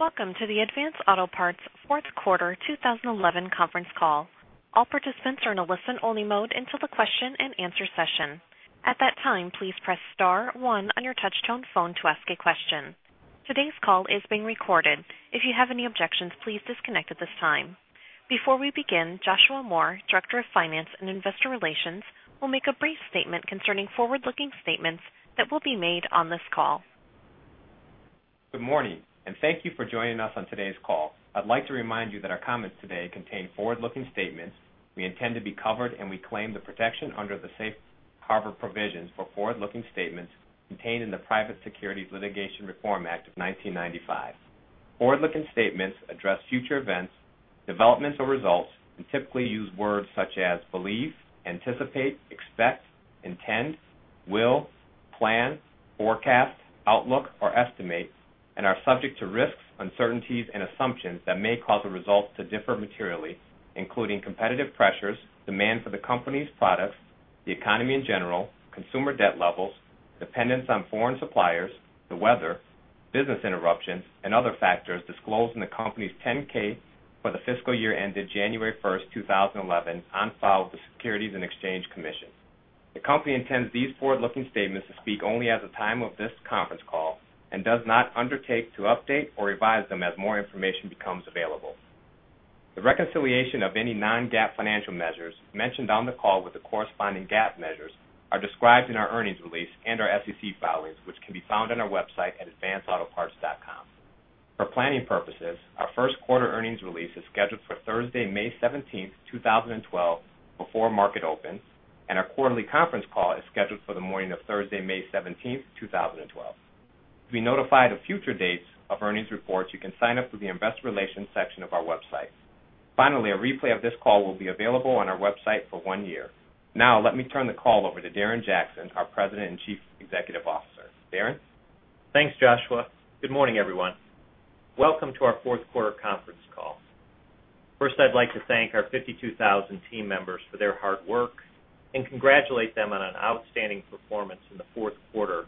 Welcome to the Advance Auto Parts Fourth Quarter 2011 Conference Call. All participants are in a listen-only mode until the question and answer session. At that time, please press star one on your touch-tone phone to ask a question. Today's call is being recorded. If you have any objections, please disconnect at this time. Before we begin, Joshua Moore, Director of Finance and Investor Relations, will make a brief statement concerning forward-looking statements that will be made on this call. Good morning, and thank you for joining us on today's call. I'd like to remind you that our comments today contain forward-looking statements. We intend to be covered, and we claim the protection under the Safe Harbor provisions for forward-looking statements contained in the Private Securities Litigation Reform Act 1995. Forward-looking statements address future events, developments, or results, and typically use words such as believe, anticipate, expect, intend, will, plan, forecast, outlook, or estimate, and are subject to risks, uncertainties, and assumptions that may cause the results to differ materially, including competitive pressures, demand for the company's products, the economy in general, consumer debt levels, dependence on foreign suppliers, the weather, business interruptions, and other factors disclosed in the company's 10-K for the Fiscal Year ended January 1st, 2011, on file with the Securities and Exchange Commission. The company intends these forward-looking statements to speak only at the time of this conference call and does not undertake to update or revise them as more information becomes available. The reconciliation of any non-GAAP financial measures mentioned on the call with the corresponding GAAP measures are described in our earnings release and our SEC filings, which can be found on our website at advanceautoparts.com. For planning purposes, our first quarter earnings release is scheduled for Thursday, May 17, 2012, before market open, and our quarterly conference call is scheduled for the morning of Thursday, May 17, 2012. To be notified of future dates of earnings reports, you can sign up for the Investor Relations section of our website. Finally, a replay of this call will be available on our website for one year. Now, let me turn the call over to Darren Jackson, our President and Chief Executive Officer. Darren. Thanks, Joshua. Good morning, everyone. Welcome to our Fourth Quarter Conference Call. First, I'd like to thank our 52,000 team members for their hard work and congratulate them on an outstanding performance in the Fourth Quarter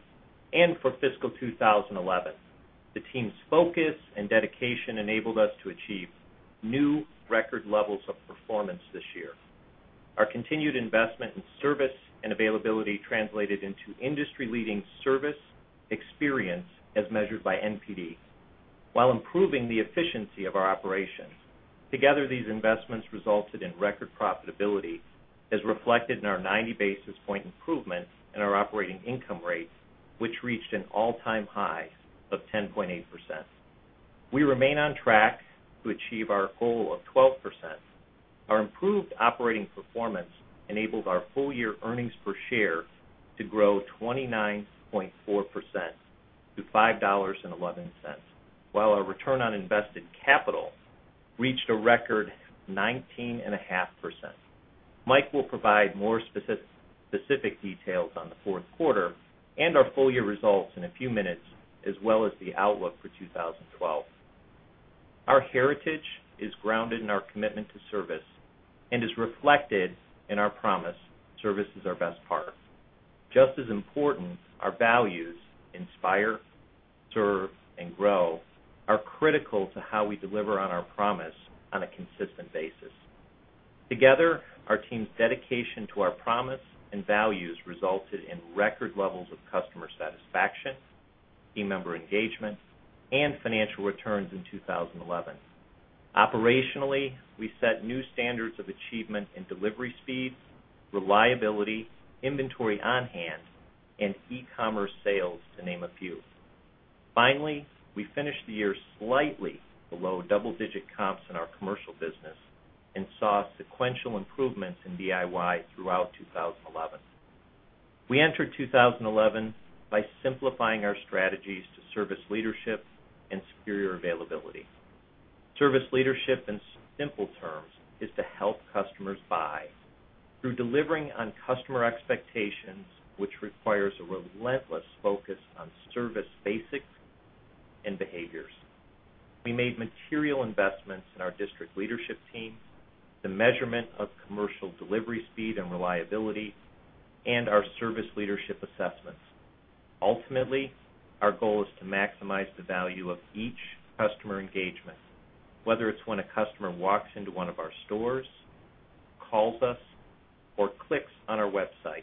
and for Fiscal 2011. The team's focus and dedication enabled us to achieve new record levels of performance this year. Our continued investment in service and availability translated into industry-leading service experience as measured by NPD, while improving the efficiency of our operations. Together, these investments resulted in record profitability as reflected in our 90 basis point improvement in our operating income rates, which reached an all-time high of 10.8%. We remain on track to achieve our goal of 12%. Our improved operating performance enabled our full-year earnings per share to grow 29.4% to $5.11, while our return on invested capital reached a record 19.5%. Mike will provide more specific details on the fourth quarter and our full-year results in a few minutes, as well as the outlook for 2012. Our heritage is grounded in our commitment to service and is reflected in our promise, "Service is our best part." Just as important, our values "inspire, serve, and grow" are critical to how we deliver on our promise on a consistent basis. Together, our team's dedication to our promise and values resulted in record levels of customer satisfaction, team member engagement, and financial returns in 2011. Operationally, we set new standards of achievement in delivery speed, reliability, inventory on hand, and e-commerce sales, to name a few. Finally, we finished the year slightly below double-digit comps in our commercial business and saw sequential improvements in DIY throughout 2011. We entered 2011 by simplifying our strategies to service leadership and secure your availability. Service leadership, in simple terms, is to help customers buy through delivering on customer expectations, which requires a relentless focus on service basics and behaviors. We made material investments in our district leadership team, the measurement of commercial delivery speed and reliability, and our service leadership assessments. Ultimately, our goal is to maximize the value of each customer engagement, whether it's when a customer walks into one of our stores, calls us, or clicks on our website.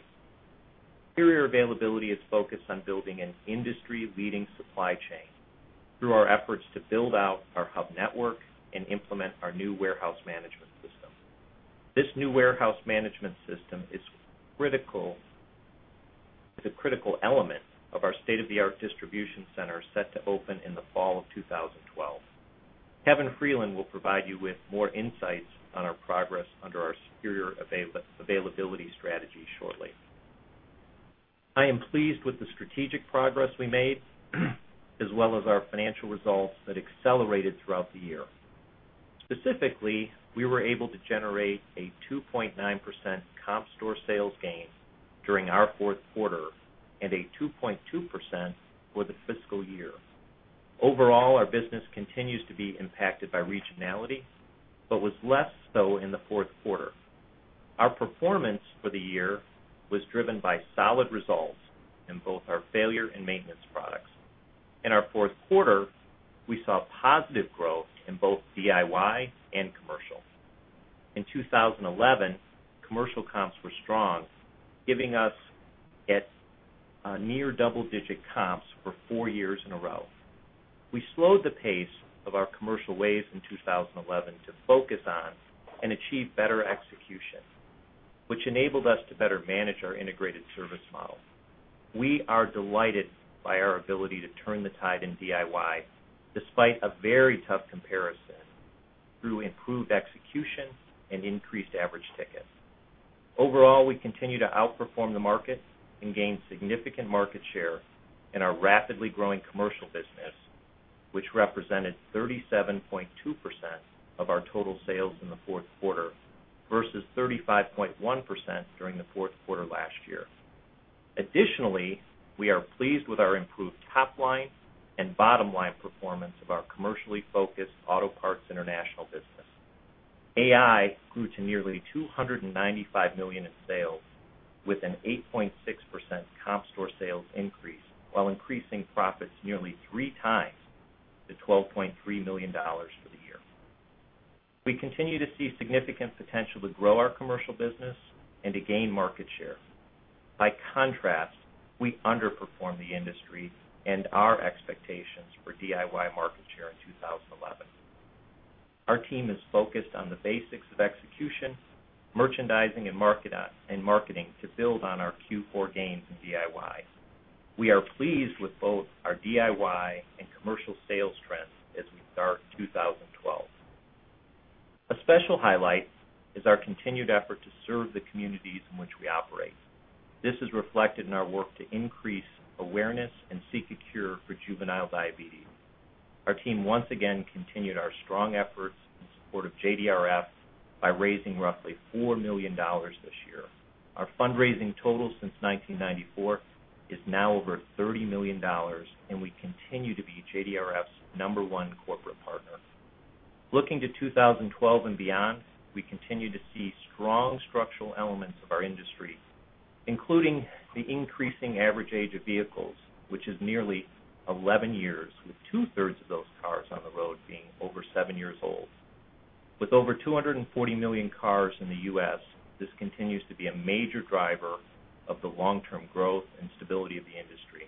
Secure your availability is focused on building an industry-leading supply chain through our efforts to build out our hub network and implement our new warehouse management system. This new warehouse management system is critical. It's a critical element of our state-of-the-art distribution center set to open in the fall of 2012. Kevin Freeland will provide you with more insights on our progress under our secure availability strategy shortly. I am pleased with the strategic progress we made, as well as our financial results that accelerated throughout the year. Specifically, we were able to generate a 2.9% comp store sales gain during our fourth quarter and a 2.2% for the fiscal year. Overall, our business continues to be impacted by regionality, but was less so in the fourth quarter. Our performance for the year was driven by solid results in both our failure and maintenance products. In our fourth quarter, we saw positive growth in both DIY and commercial. In 2011, commercial comps were strong, giving us near double-digit comps for four years in a row. We slowed the pace of our commercial ways in 2011 to focus on and achieve better execution, which enabled us to better manage our integrated service model. We are delighted by our ability to turn the tide in DIY despite a very tough comparison through improved execution and increased average ticket. Overall, we continue to outperform the market and gain significant market share in our rapidly growing commercial business, which represented 37.2% of our total sales in the fourth quarter versus 35.1% during the fourth quarter last year. Additionally, we are pleased with our improved top-line and bottom-line performance of our commercially focused Auto Part International business. AI grew to nearly $295 million in sales with an 8.6% comp store sales increase, while increasing profits nearly three times to $12.3 million for the year. We continue to see significant potential to grow our commercial business and to gain market share. By contrast, we underperformed the industry and our expectations for DIY market share in 2011. Our team is focused on the basics of execution, merchandising, and marketing to build on our Q4 gains in DIY. We are pleased with both our DIY and commercial sales trends as we start 2012. A special highlight is our continued effort to serve the communities in which we operate. This is reflected in our work to increase awareness and seek a cure for juvenile diabetes. Our team once again continued our strong efforts in support of JDRF by raising roughly $4 million this year. Our fundraising total since 1994 is now over $30 million, and we continue to be JDRF's number one corporate partner. Looking to 2012 and beyond, we continue to see strong structural elements of our industry, including the increasing average age of vehicles, which is nearly 11 years, with two-thirds of those cars on the road being over seven years old. With over 240 million cars in the U.S., this continues to be a major driver of the long-term growth and stability of the industry.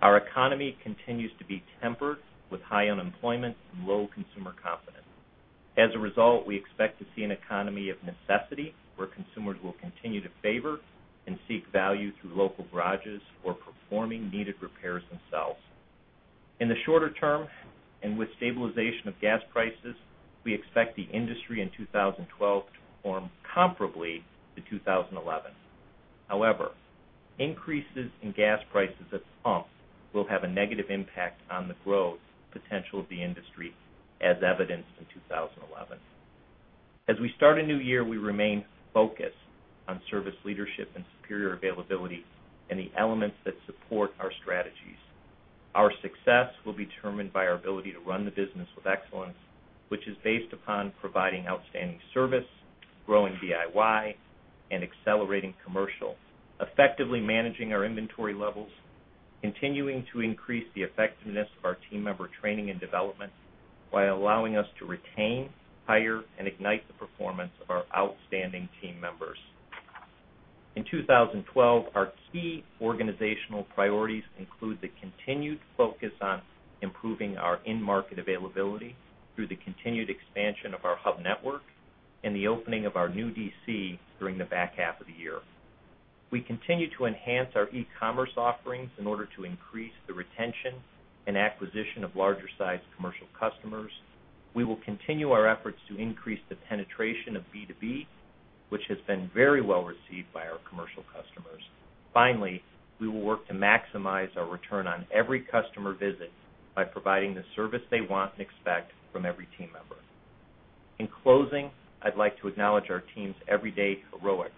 Our economy continues to be tempered with high unemployment and low consumer confidence. As a result, we expect to see an economy of necessity where consumers will continue to favor and seek value through local garages or performing needed repairs themselves. In the shorter term, and with stabilization of gas prices, we expect the industry in 2012 to perform comparably to 2011. However, increases in gas prices at sumps will have a negative impact on the growth potential of the industry as evidenced in 2011. As we start a new year, we remain focused on service leadership and superior availability and the elements that support our strategies. Our success will be determined by our ability to run the business with excellence, which is based upon providing outstanding service, growing DIY, and accelerating commercial, effectively managing our inventory levels, continuing to increase the effectiveness of our team member training and development while allowing us to retain, hire, and ignite the performance of our outstanding team members. In 2012, our key organizational priorities include the continued focus on improving our in-market availability through the continued expansion of our hub network and the opening of our new DC during the back half of the year. We continue to enhance our e-commerce offerings in order to increase the retention and acquisition of larger-sized commercial customers. We will continue our efforts to increase the penetration of B2B, which has been very well received by our commercial customers. Finally, we will work to maximize our return on every customer visit by providing the service they want and expect from every team member. In closing, I'd like to acknowledge our team's everyday heroics,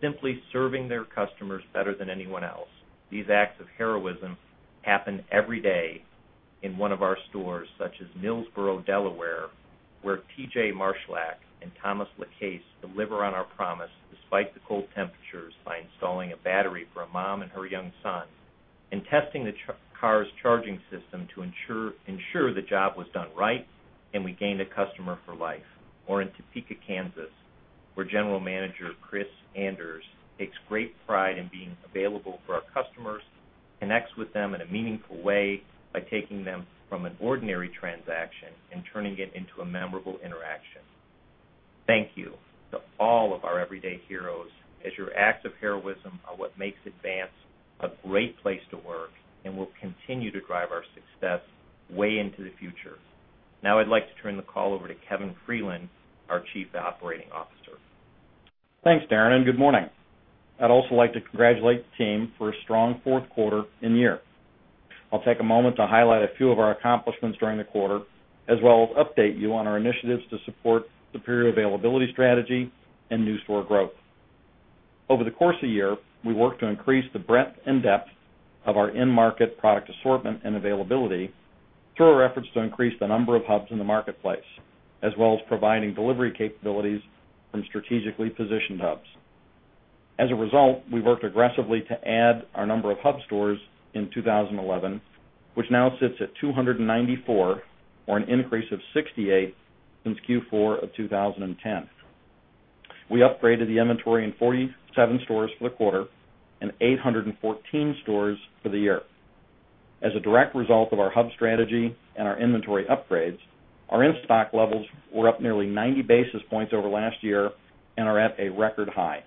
simply serving their customers better than anyone else. These acts of heroism happen every day in one of our stores, such as Millsboro, Delaware, where TJ [Marshalaks] and Thomas LaCaisse deliver on our promise despite the cold temperatures by installing a battery for a mom and her young son and testing the car's charging system to ensure the job was done right, and we gained a customer for life. In Topeka, Kansas, General Manager Chris Anders takes great pride in being available for our customers, connects with them in a meaningful way by taking them from an ordinary transaction and turning it into a memorable interaction. Thank you to all of our everyday heroes, as your acts of heroism are what makes Advance a great place to work and will continue to drive our success way into the future. Now, I'd like to turn the call over to Kevin Freeland, our Chief Operating Officer. Thanks, Darren, and good morning. I'd also like to congratulate the team for a strong fourth quarter and year. I'll take a moment to highlight a few of our accomplishments during the quarter, as well as update you on our initiatives to support superior availability strategy and new store growth. Over the course of the year, we worked to increase the breadth and depth of our in-market product assortment and availability through our efforts to increase the number of hubs in the marketplace, as well as providing delivery capabilities from strategically positioned hubs. As a result, we worked aggressively to add our number of hub stores in 2011, which now sits at 294, or an increase of 68 since Q4 of 2010. We upgraded the inventory in 47 stores for the quarter and 814 stores for the year. As a direct result of our hub strategy and our inventory upgrades, our in-stock levels were up nearly 90 basis points over last year and are at a record high.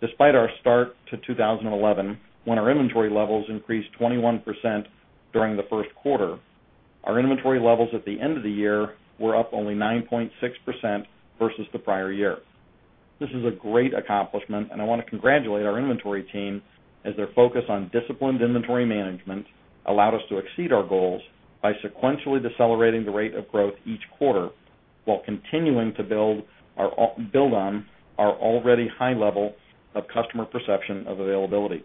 Despite our start to 2011, when our inventory levels increased 21% during the first quarter, our inventory levels at the end of the year were up only 9.6% versus the prior year. This is a great accomplishment, and I want to congratulate our inventory team, as their focus on disciplined inventory management allowed us to exceed our goals by sequentially decelerating the rate of growth each quarter while continuing to build on our already high level of customer perception of availability.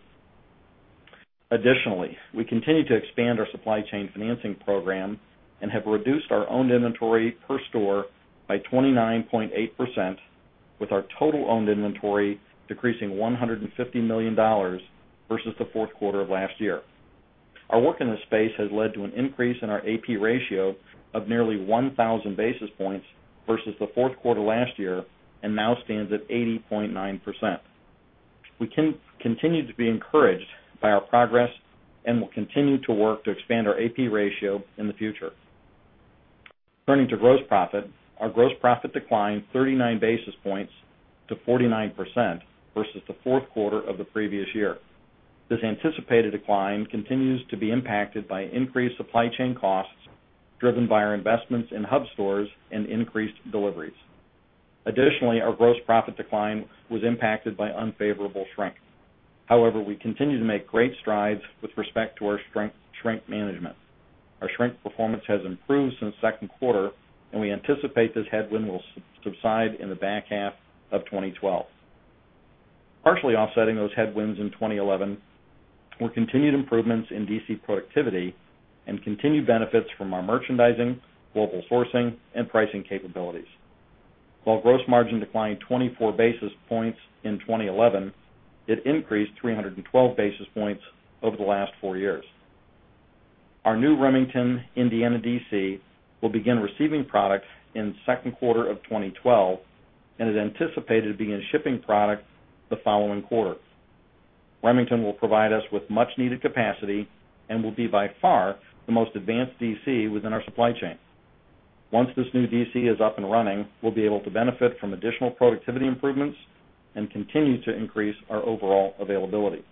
Additionally, we continue to expand our supply chain financing program and have reduced our owned inventory per store by 29.8%, with our total owned inventory decreasing $150 million versus the fourth quarter of last year. Our work in this space has led to an increase in our A/P ratio of nearly 1,000 basis points versus the fourth quarter last year and now stands at 80.9%. We continue to be encouraged by our progress and will continue to work to expand our A/P ratio in the future. Turning to gross profit, our gross profit declined 39 basis points to 49% versus the fourth quarter of the previous year. This anticipated decline continues to be impacted by increased supply chain costs driven by our investments in hub stores and increased deliveries. Additionally, our gross profit decline was impacted by unfavorable shrink. However, we continue to make great strides with respect to our shrink management. Our shrink performance has improved since the second quarter, and we anticipate this headwind will subside in the back half of 2012. Partially offsetting those headwinds in 2011 were continued improvements in DC productivity and continued benefits from our merchandising, global sourcing, and pricing capabilities. While gross margin declined 24 basis points in 2011, it increased 312 basis points over the last four years. Our new Remington, Indiana DC will begin receiving product in the second quarter of 2012, and it is anticipated to begin shipping product the following quarter. Remington will provide us with much-needed capacity and will be by far the most advanced DC within our supply chain. Once this new DC is up and running, we'll be able to benefit from additional productivity improvements and continue to increase our overall availability.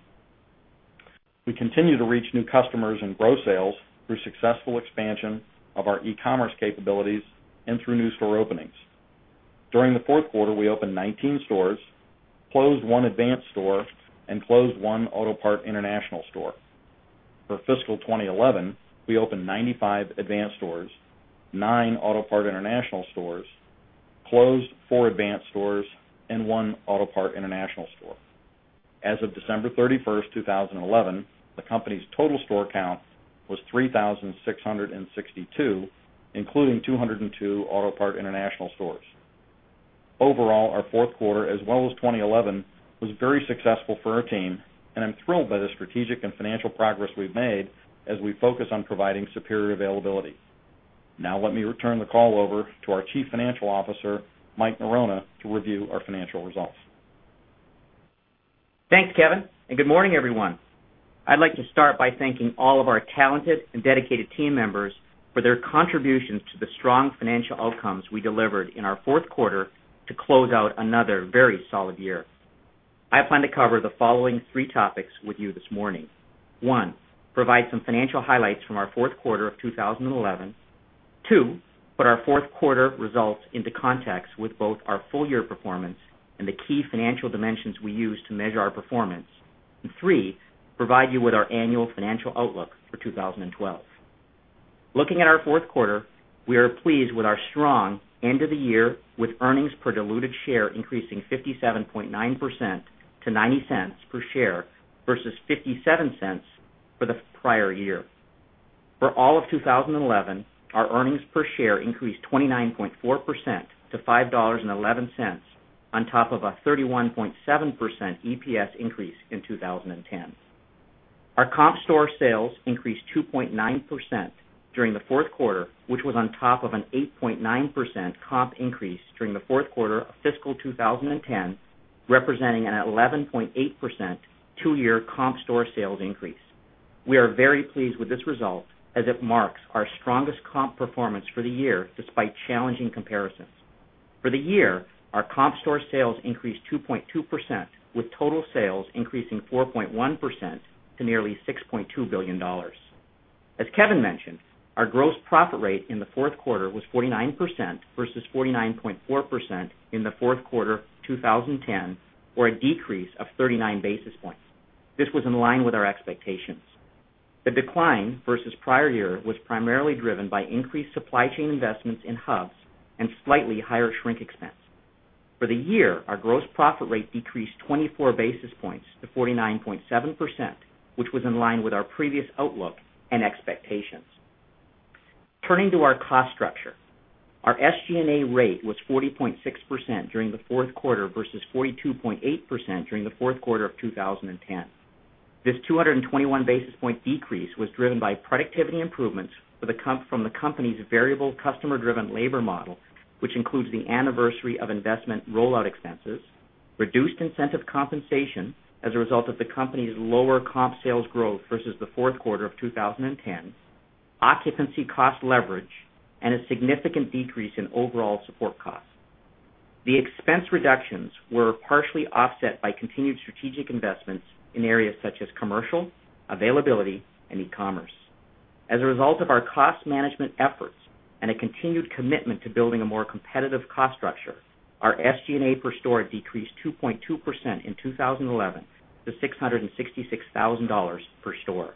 We continue to reach new customers and grow sales through successful expansion of our e-commerce capabilities and through new store openings. During the fourth quarter, we opened 19 stores, closed one Advance store, and closed one Auto Part International store. For fiscal 2011, we opened 95 Advance stores, 9 Auto Part International stores, closed 4 Advance stores, and 1 Auto Part International store. As of December 31st, 2011, the company's total store count was 3,662, including 202 Auto Part International stores. Overall, our fourth quarter, as well as 2011, was very successful for our team, and I'm thrilled by the strategic and financial progress we've made as we focus on providing superior availability. Now, let me return the call over to our Chief Financial Officer, Mike Norona, to review our financial results. Thanks, Kevin, and good morning, everyone. I'd like to start by thanking all of our talented and dedicated team members for their contributions to the strong financial outcomes we delivered in our fourth quarter to close out another very solid year. I plan to cover the following three topics with you this morning. One, provide some financial highlights from our fourth quarter of 2011. Two, put our fourth quarter results into context with both our full-year performance and the key financial dimensions we use to measure our performance. Three, provide you with our annual financial outlook for 2012. Looking at our fourth quarter, we are pleased with our strong end of the year, with earnings per diluted share increasing 57.9% to $0.90 per share versus $0.57 for the prior year. For all of 2011, our earnings per share increased 29.4% to $5.11, on top of a 31.7% EPS increase in 2010. Our comp store sales increased 2.9% during the fourth quarter, which was on top of an 8.9% comp increase during the fourth quarter of fiscal 2010, representing an 11.8% two-year comp store sales increase. We are very pleased with this result, as it marks our strongest comp performance for the year despite challenging comparisons. For the year, our comp store sales increased 2.2%, with total sales increasing 4.1% to nearly $6.2 billion. As Kevin mentioned, our gross profit rate in the fourth quarter was 49% versus 49.4% in the fourth quarter of 2010, or a decrease of 39 basis points. This was in line with our expectations. The decline versus prior year was primarily driven by increased supply chain investments in hubs and slightly higher shrink expense. For the year, our gross profit rate decreased 24 basis points to 49.7%, which was in line with our previous outlook and expectations. Turning to our cost structure, our SG&A rate was 40.6% during the fourth quarter versus 42.8% during the fourth quarter of 2010. This 221 basis point decrease was driven by productivity improvements from the company's variable customer-driven labor model, which includes the anniversary of investment rollout expenses, reduced incentive compensation as a result of the company's lower comp sales growth versus the fourth quarter of 2010, occupancy cost leverage, and a significant decrease in overall support costs. The expense reductions were partially offset by continued strategic investments in areas such as commercial, availability, and e-commerce. As a result of our cost management efforts and a continued commitment to building a more competitive cost structure, our SG&A per store decreased 2.2% in 2011 to $666,000 per store.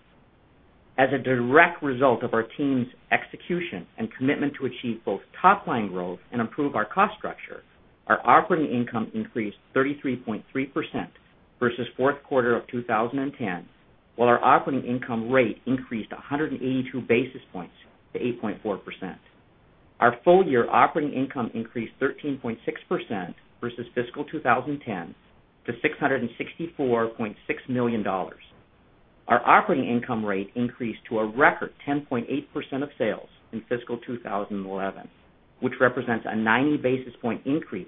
As a direct result of our team's execution and commitment to achieve both top-line growth and improve our cost structure, our operating income increased 33.3% versus the fourth quarter of 2010, while our operating income rate increased 182 basis points to 8.4%. Our full-year operating income increased 13.6% versus fiscal 2010 to $664.6 million. Our operating income rate increased to a record 10.8% of sales in fiscal 2011, which represents a 90 basis point increase,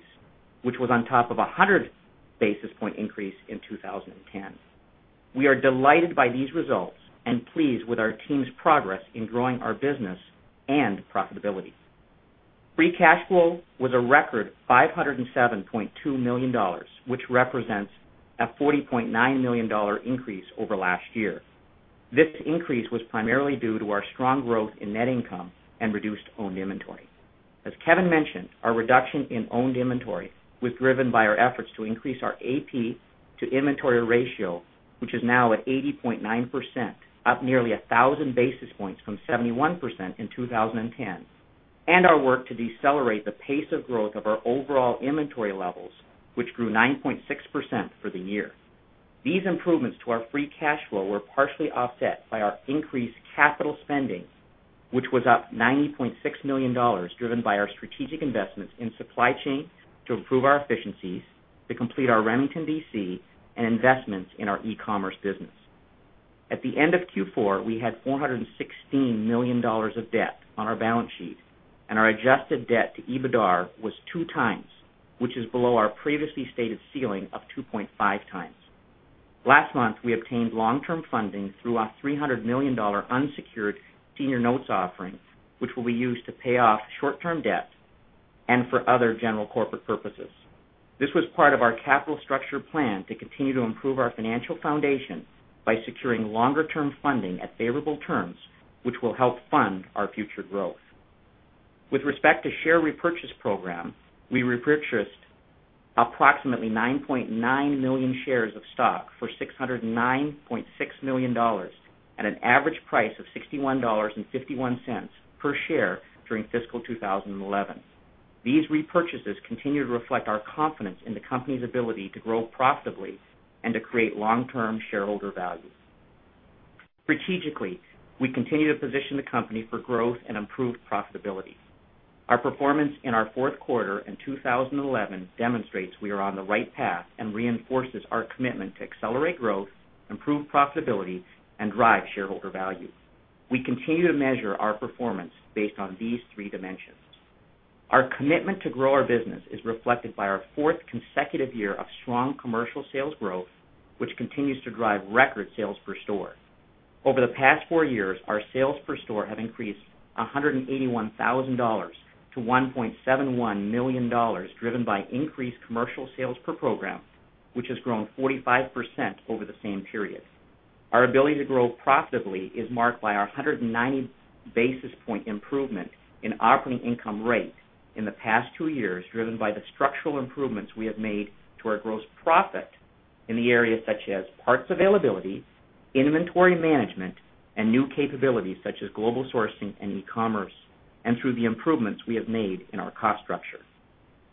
which was on top of a 100 basis point increase in 2010. We are delighted by these results and pleased with our team's progress in growing our business and profitability. Free cash flow was a record $507.2 million, which represents a $40.9 million increase over last year. This increase was primarily due to our strong growth in net income and reduced owned inventory. As Kevin mentioned, our reduction in owned inventory was driven by our efforts to increase our A/P to inventory ratio, which is now at 80.9%, up nearly 1,000 basis points from 71% in 2010, and our work to decelerate the pace of growth of our overall inventory levels, which grew 9.6% for the year. These improvements to our free cash flow were partially offset by our increased capital spending, which was up $90.6 million, driven by our strategic investments in supply chain to improve our efficiencies, to complete our Remington, Indiana DC, and investments in our e-commerce business. At the end of Q4, we had $416 million of debt on our balance sheet, and our adjusted debt to EBITDA was 2x, which is below our previously stated ceiling of 2.5x. Last month, we obtained long-term funding through our $300 million unsecured senior notes offering, which will be used to pay off short-term debt and for other general corporate purposes. This was part of our capital structure plan to continue to improve our financial foundation by securing longer-term funding at favorable terms, which will help fund our future growth. With respect to share repurchase program, we repurchased approximately 9.9 million shares of stock for $609.6 million at an average price of $61.51 per share during fiscal 2011. These repurchases continue to reflect our confidence in the company's ability to grow profitably and to create long-term shareholder value. Strategically, we continue to position the company for growth and improved profitability. Our performance in our fourth quarter in 2011 demonstrates we are on the right path and reinforces our commitment to accelerate growth, improve profitability, and drive shareholder value. We continue to measure our performance based on these three dimensions. Our commitment to grow our business is reflected by our fourth consecutive year of strong commercial sales growth, which continues to drive record sales per store. Over the past four years, our sales per store have increased $181,000 to $1.71 million, driven by increased commercial sales per program, which has grown 45% over the same period. Our ability to grow profitably is marked by our 190 basis point improvement in operating income rate in the past two years, driven by the structural improvements we have made to our gross profit in the areas such as parts availability, inventory management, and new capabilities such as global sourcing and e-commerce, and through the improvements we have made in our cost structure.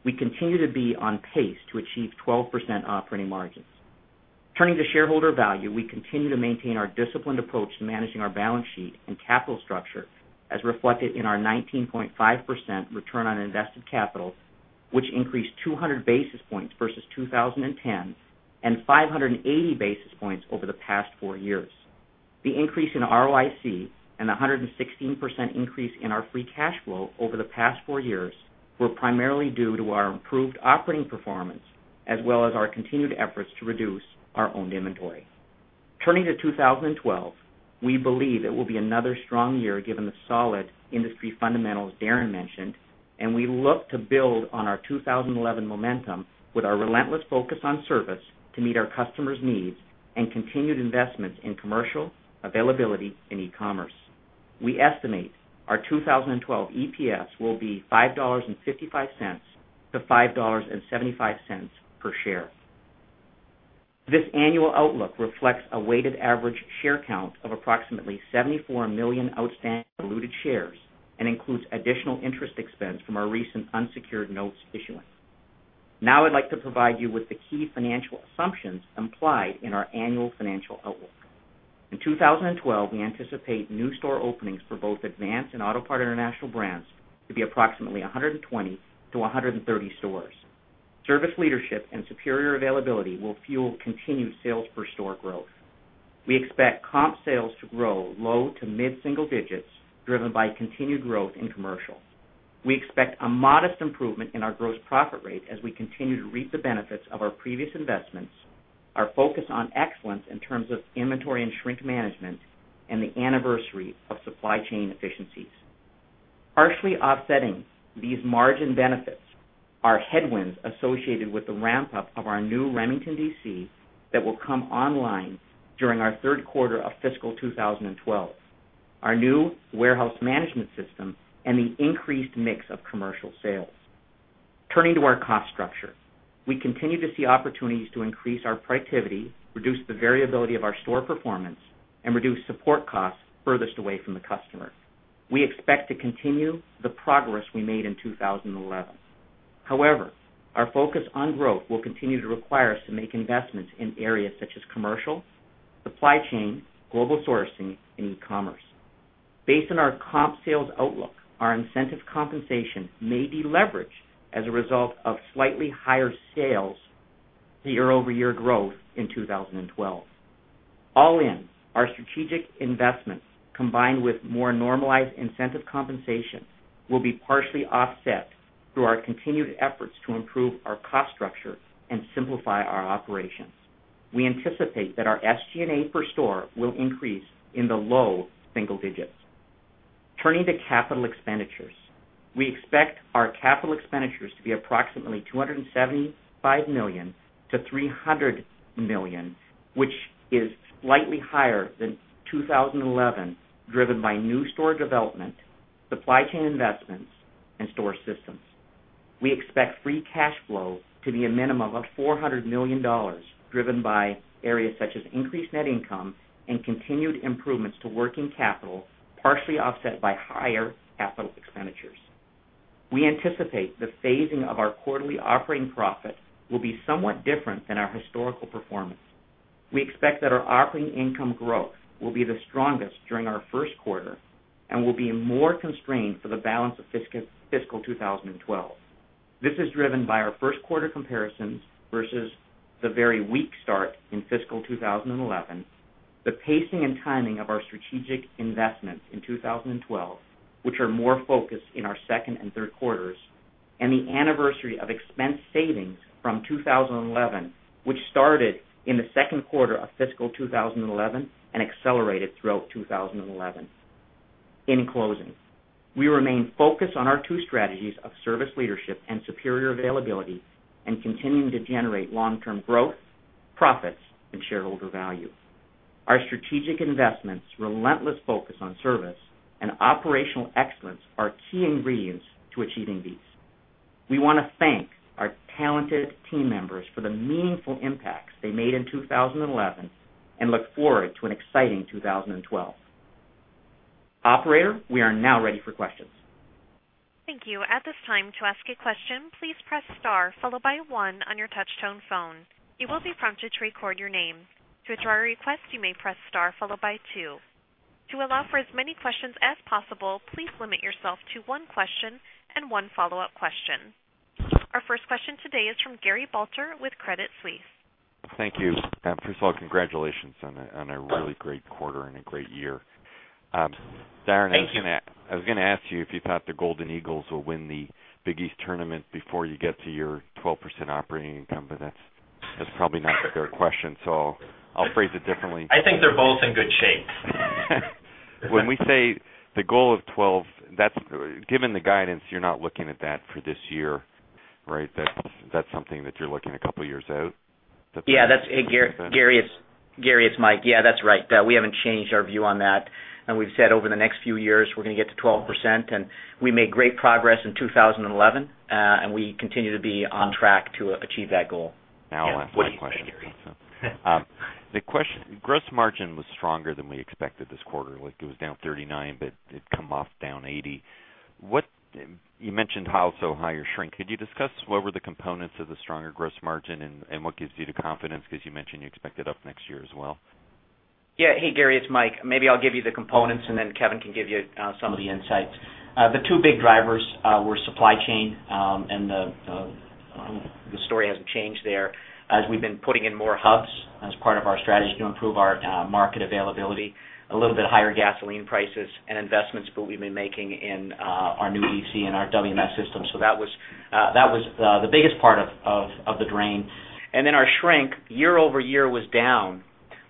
We continue to be on pace to achieve 12% operating margins. Turning to shareholder value, we continue to maintain our disciplined approach in managing our balance sheet and capital structure, as reflected in our 19.5% return on invested capital, which increased 200 basis points versus 2010 and 580 basis points over the past four years. The increase in ROIC and the 116% increase in our free cash flow over the past four years were primarily due to our improved operating performance, as well as our continued efforts to reduce our owned inventory. Turning to 2012, we believe it will be another strong year, given the solid industry fundamentals Darren mentioned, and we look to build on our 2011 momentum with our relentless focus on service to meet our customers' needs and continued investments in commercial, availability, and e-commerce. We estimate our 2012 EPS will be $5.55 to $5.75 per share. This annual outlook reflects a weighted average share count of approximately 74 million outstanding diluted shares and includes additional interest expense from our recent unsecured notes issuing. Now, I'd like to provide you with the key financial assumptions implied in our annual financial outlook. In 2012, we anticipate new store openings for both Advance and Auto Part International brands to be approximately 120-130 stores. Service leadership and superior availability will fuel continued sales per store growth. We expect comp sales to grow low to mid-single digits, driven by continued growth in commercial. We expect a modest improvement in our gross profit rate as we continue to reap the benefits of our previous investments, our focus on excellence in terms of inventory and shrink management, and the anniversary of supply chain efficiencies. Partially offsetting these margin benefits are headwinds associated with the ramp-up of our new Remington DC that will come online during our third quarter of fiscal 2012, our new warehouse management system, and the increased mix of commercial sales. Turning to our cost structure, we continue to see opportunities to increase our productivity, reduce the variability of our store performance, and reduce support costs furthest away from the customer. We expect to continue the progress we made in 2011. However, our focus on growth will continue to require us to make investments in areas such as commercial, supply chain, global sourcing, and e-commerce. Based on our comp sales outlook, our incentive compensation may be leveraged as a result of slightly higher sales year-over-year growth in 2012. All in, our strategic investments, combined with more normalized incentive compensation, will be partially offset through our continued efforts to improve our cost structure and simplify our operations. We anticipate that our SG&A per store will increase in the low single digits. Turning to capital expenditures, we expect our capital expenditures to be approximately $275 million-$300 million, which is slightly higher than 2011, driven by new store development, supply chain investments, and store systems. We expect free cash flow to be a minimum of $400 million, driven by areas such as increased net income and continued improvements to working capital, partially offset by higher capital expenditures. We anticipate the phasing of our quarterly operating profit will be somewhat different than our historical performance. We expect that our operating income growth will be the strongest during our first quarter and will be more constrained for the balance of fiscal 2012. This is driven by our first quarter comparisons versus the very weak start in fiscal 2011, the pacing and timing of our strategic investments in 2012, which are more focused in our second and third quarters, and the anniversary of expense savings from 2011, which started in the second quarter of fiscal 2011 and accelerated throughout 2011. In closing, we remain focused on our two strategies of service leadership and superior availability and continuing to generate long-term growth, profits, and shareholder value. Our strategic investments, relentless focus on service, and operational excellence are key ingredients to achieving these. We want to thank our talented team members for the meaningful impacts they made in 2011 and look forward to an exciting 2012. Operator, we are now ready for questions. Thank you. At this time, to ask a question, please press star followed by one on your touch-tone phone. You will be prompted to record your name. To withdraw a request, you may press star followed by two. To allow for as many questions as possible, please limit yourself to one question and one follow-up question. Our first question today is from Gary Balter with Credit Suisse. Thank you. First of all, congratulations on a really great quarter and a great year. Darren is going to ask you if you thought the Golden Eagles will win the [Big East] tournament before you get to your 12% operating income, but that's probably not their question. I'll phrase it differently. I think they're both in good shape. When we say the goal of 12, that's given the guidance, you're not looking at that for this year, right? That's something that you're looking a couple of years out? Yeah, that's Gary, it's Mike. That's right. We haven't changed our view on that. We've said over the next few years, we're going to get to 12%, and we made great progress in 2011, and we continue to be on track to achieve that goal. Now, I'll ask you a question. The question, gross margin was stronger than we expected this quarter. Like it was down 39, but it come off down 80. You mentioned higher shrink. Could you discuss what were the components of the stronger gross margin, and what gives you the confidence? Because you mentioned you expect it up next year as well. Yeah. Hey, Gary, it's Mike. Maybe I'll give you the components, and then Kevin can give you some of the insights. The two big drivers were supply chain, and the story hasn't changed there, as we've been putting in more hubs as part of our strategy to improve our in-market availability, a little bit higher gasoline prices, and investments that we've been making in our new EC and our [WH] management system. That was the biggest part of the drain. Our shrink year-over-year was down,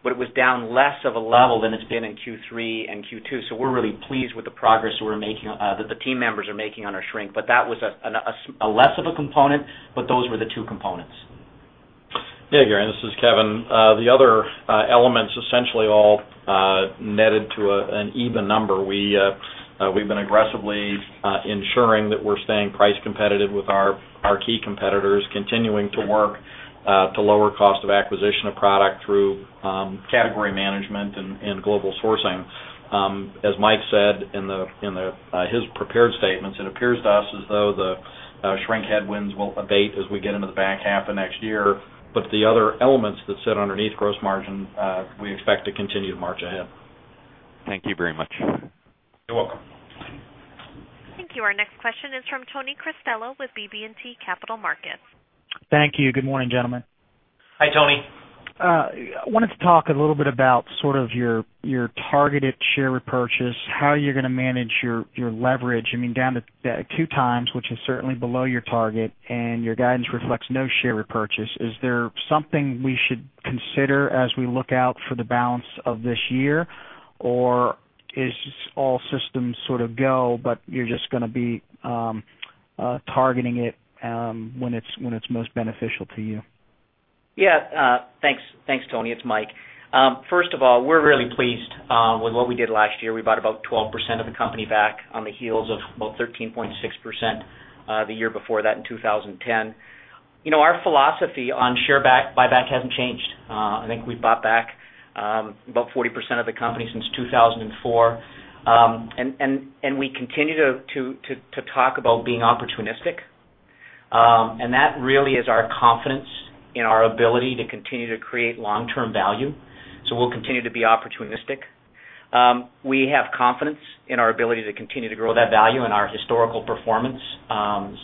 but it was down less of a level thanit's been in Q3 and Q2. We're really pleased with the progress that we're making, that the team members are making on our shrink. That was a less of a component, but those were the two components. Yeah, Gary, this is Kevin. The other elements essentially all netted to an even number. We've been aggressively ensuring that we're staying price competitive with our key competitors, continuing to work to lower cost of acquisition of product through category management and global sourcing. As Mike said in his prepared statements, it appears to us as though the shrink headwinds will abate as we get into the back half of next year. The other elements that sit underneath gross margin, we expect to continue to march ahead. Thank you very much. You're welcome. Thank you. Our next question is from Tony Cristello with BB&T Capital Markets. Thank you. Good morning, gentlemen. Hi, Tony. I wanted to talk a little bit about your targeted share repurchase, how you're going to manage your leverage. I mean, down to two times, which is certainly below your target, and your guidance reflects no share repurchase. Is there something we should consider as we look out for the balance of this year, or is all systems go, but you're just going to be targeting it when it's most beneficial to you? Yeah, thanks, Tony. It's Mike. First of all, we're really pleased with what we did last year. We bought about 12% of the company back on the heels of about 13.6% the year before that in 2010. Our philosophy on share buyback hasn't changed. I think we've bought back about 40% of the company since 2004, and we continue to talk about being opportunistic. That really is our confidence in our ability to continue to create long-term value. We'll continue to be opportunistic. We have confidence in our ability to continue to grow that value in our historical performance,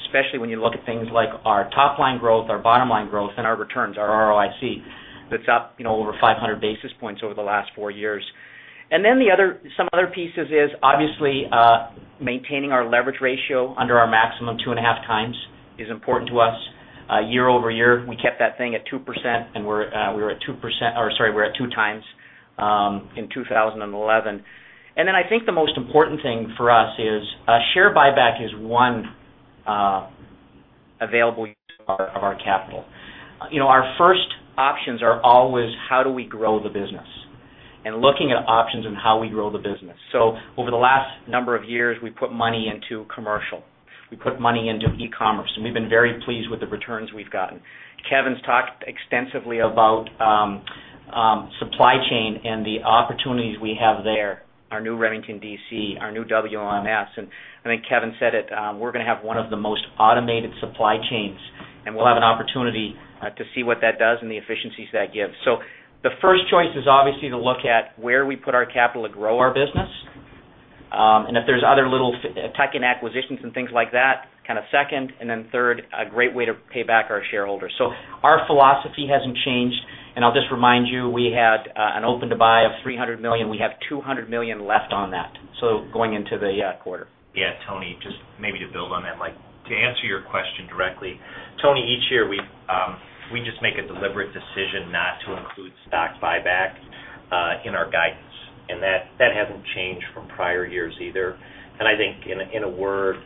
especially when you look at things like our top-line growth, our bottom-line growth, and our returns, our ROIC that's up over 500 basis points over the last four years. Some other pieces are obviously maintaining our leverage ratio under our maximum two and a half times is important to us. Year-over-year, we kept that thing at 2%, and we were at 2%, or sorry, we were at two times in 2011. I think the most important thing for us is share buyback is one available of our capital. Our first options are always how do we grow the business and looking at options and how we grow the business. Over the last number of years, we put money into commercial. We put money into e-commerce, and we've been very pleased with the returns we've gotten. Kevin's talked extensively about supply chain and the opportunities we have there, our new Remington DC, our new [warehouse management system]. I think Kevin said it, we're going to have one of the most automated supply chains, and we'll have an opportunity to see what that does and the efficiencies that gives. The first choice is obviously to look at where we put our capital to grow our business. If there's other little tech and acquisitions and things like that, kind of second. Third, a great way to pay back our shareholders. Our philosophy hasn't changed. I'll just remind you, we had an open to buy of $300 million. We have $200 million left on that going into the quarter. Yeah, Tony, just maybe to build on that, Mike, to answer your question directly, Tony, each year we just make a deliberate decision not to include stock buyback in our guidance. That hasn't changed from prior years either. I think in a word,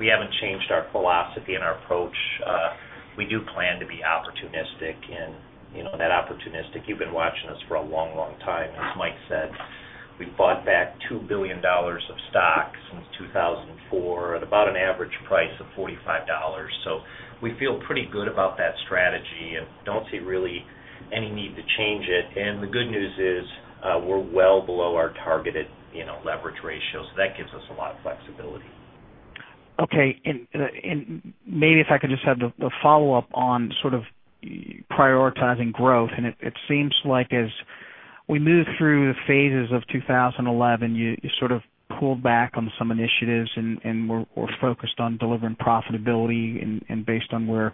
we haven't changed our philosophy and our approach. We do plan to be opportunistic and not opportunistic. You've been watching us for a long, long time. As Mike said, we bought back $2 billion of stocks since 2004 at about an average price of $45. We feel pretty good about that strategy and don't see really any need to change it. The good news is we're well below our targeted leverage ratio. That gives us a lot of flexibility. Okay. Maybe if I could just have the follow-up on sort of prioritizing growth. It seems like as we move through the phases of 2011, you sort of pulled back on some initiatives and were focused on delivering profitability based on where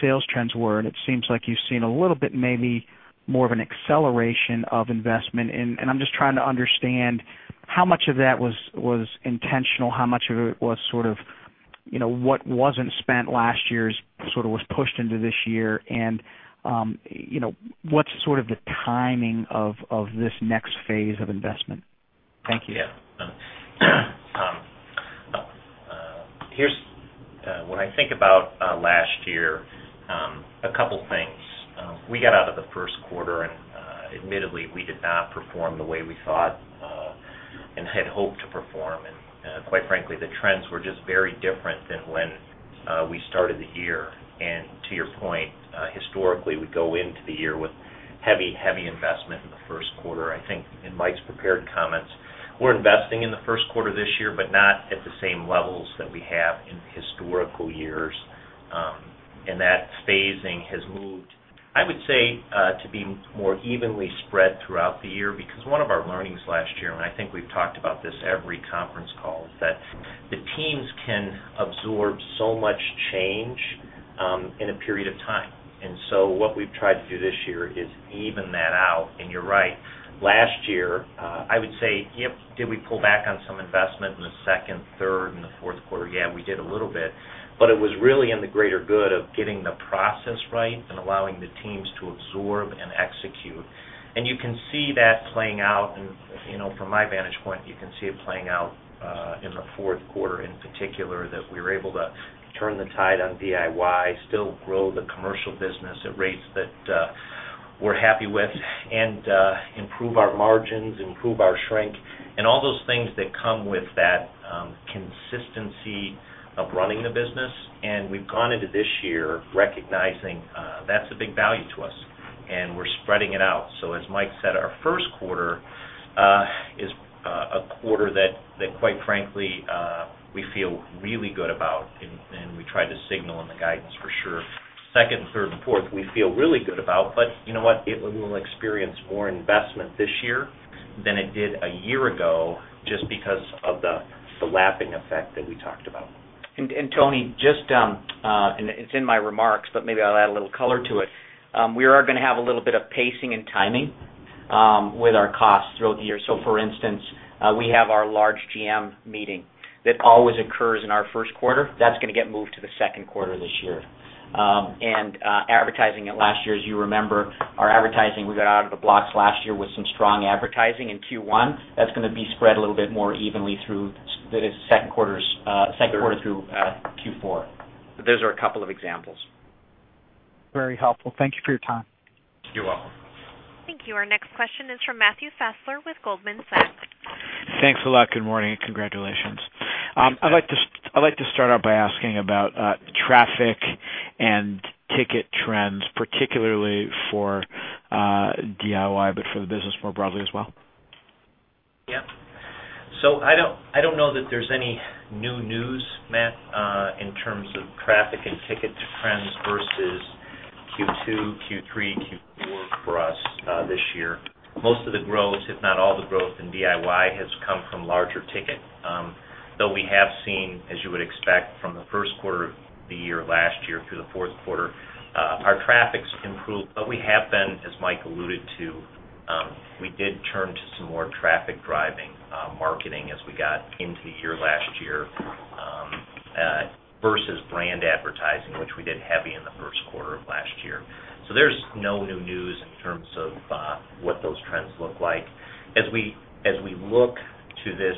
sales trends were. It seems like you've seen a little bit maybe more of an acceleration of investment. I'm just trying to understand how much of that was intentional, how much of it was what wasn't spent last year was pushed into this year. What's the timing of this next phase of investment? Thank you. Yeah. Here's when I think about last year, a couple of things. We got out of the first quarter, and admittedly, we did not perform the way we thought and had hoped to perform. Quite frankly, the trends were just very different than when we started the year. To your point, historically, we go into the year with heavy, heavy investment in the first quarter. I think in Mike's prepared comments, we're investing in the first quarter this year, but not at the same levels that we have in historical years. That phasing has moved, I would say, to be more evenly spread throughout the year. One of our learnings last year, and I think we've talked about this every conference call, is that the teams can absorb so much change in a period of time. What we've tried to do this year is even that out. You're right, last year, I would say, yep, did we pull back on some investment in the second, third, and the fourth quarter? Yeah, we did a little bit. It was really in the greater good of getting the process right and allowing the teams to absorb and execute. You can see that playing out, and you know, from my vantage point, you can see it playing out in the fourth quarter in particular that we were able to turn the tide on DIY, still grow the commercial business at rates that we're happy with, and improve our margins, improve our shrink, and all those things that come with that consistency of running the business. We've gone into this year recognizing that's a big value to us, and we're spreading it out. As Mike said, our first quarter is a quarter that quite frankly we feel really good about, and we tried to signal in the guidance for sure. Second, third, and fourth, we feel really good about, but you know what? It will experience more investment this year than it did a year ago just because of the lapping effect that we talked about. Tony, it's in my remarks, but maybe I'll add a little color to it. We are going to have a little bit of pacing and timing with our costs throughout the year. For instance, we have our large GM meeting that always occurs in our first quarter. That's going to get moved to the second quarter this year. Last year, as you remember, our advertising, we got out of the blocks last year with some strong advertising in Q1. That's going to be spread a little bit more evenly through the second quarter through Q4. Those are a couple of examples. Very helpful. Thank you for your time. You're welcome. Thank you. Our next question is from Matthew Fassler with Goldman Sachs. Thanks a lot. Good morning and congratulations. I'd like to start out by asking about traffic and ticket trends, particularly for DIY, but for the business more broadly as well. I don't know that there's any new news, Matt, in terms of traffic and ticket trends versus Q2, Q3, Q4 for us this year. Most of the growth, if not all the growth in DIY, has come from larger ticket, though we have seen, as you would expect, from the first quarter of the year last year through the fourth quarter, our traffic's improved. We did turn to some more traffic driving marketing as we got into the year last year versus brand advertising, which we did heavy in the first quarter of last year. There's no new news in terms of what those trends look like. As we look to this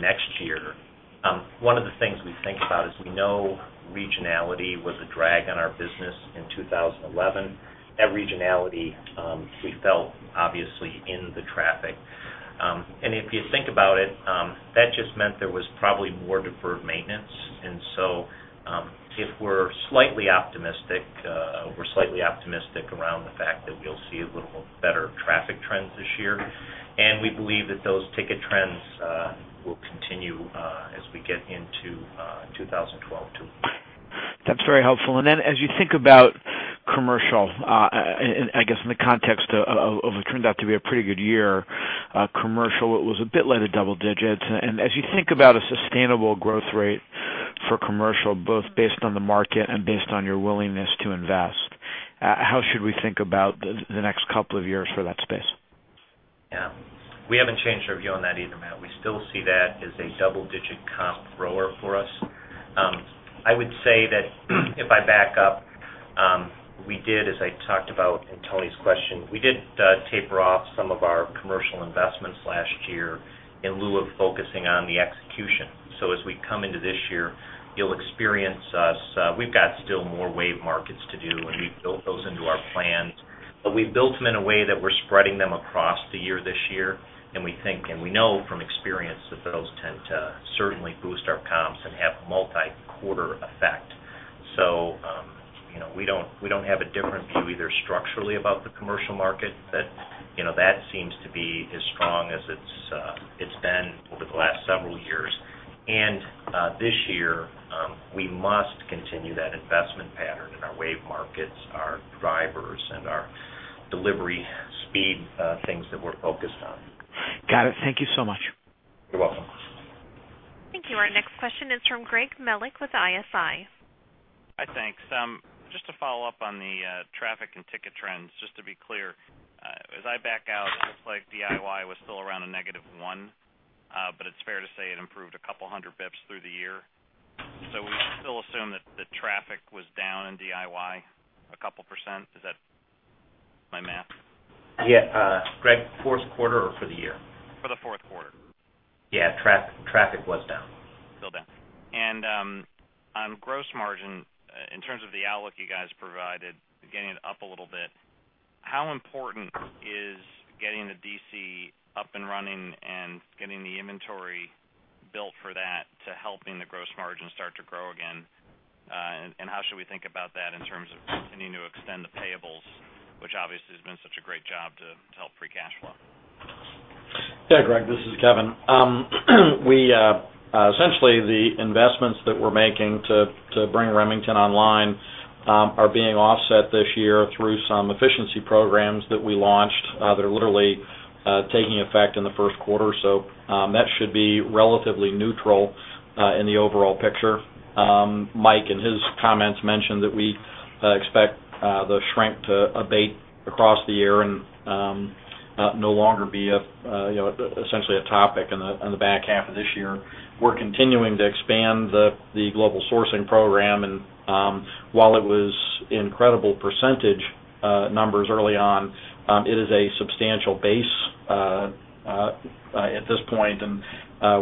next year, one of the things we think about is we know regionality was a drag on our business in 2011. That regionality, we felt obviously in the traffic. If you think about it, that just meant there was probably more deferred maintenance. If we're slightly optimistic, we're slightly optimistic around the fact that we'll see a little better traffic trends this year. We believe that those ticket trends will continue as we get into 2012. That's very helpful. As you think about commercial, I guess in the context of what turned out to be a pretty good year, commercial was a bit like a double digit. As you think about a sustainable growth rate for commercial, both based on the market and based on your willingness to invest, how should we think about the next couple of years for that space? Yeah. We haven't changed our view on that either, Matt. We still see that as a double-digit comp thrower for us. I would say that if I back up, we did, as I talked about in Tony's question, taper off some of our commercial investments last year in lieu of focusing on the execution. As we come into this year, you'll experience us. We've got still more wave markets to do, and we've built those into our plans. We've built them in a way that we're spreading them across the year this year. We think, and we know from experience, that those tend to certainly boost our comps and have a multi-quarter effect. We don't have a different view either structurally about the commercial market, but you know that seems to be as strong as it's been over the last several years. This year, we must continue that investment pattern in our wave markets, our drivers, and our delivery speed things that we're focused on. Got it. Thank you so much. You're welcome. Thank you. Our next question is from Greg Melich with ISI. Hi, thanks. Just to follow up on the traffic and ticket trends, just to be clear, as I back out, it looks like DIY was still around a -1, but it's fair to say it improved a couple hundred bps through the year. We still assume that the traffic was down in DIY a couple percent. Is that my math? Yeah, Greg, fourth quarter or for the year? For the fourth quarter. Yeah, traffic was down. Still down. On gross margin, in terms of the outlook you guys provided, getting it up a little bit, how important is getting the DC up and running and getting the inventory built for that to helping the gross margin start to grow again? How should we think about that in terms of continuing to extend the payables, which obviously has been such a great job to help free cash flow? Yeah, Greg, this is Kevin. Essentially, the investments that we're making to bring Remington online are being offset this year through some efficiency programs that we launched that are literally taking effect in the first quarter. That should be relatively neutral in the overall picture. Mike in his comments mentioned that we expect the shrink to abate across the year and no longer be essentially a topic in the back half of this year. We're continuing to expand the global sourcing program. While it was an incredible percentage numbers early on, it is a substantial base at this point, and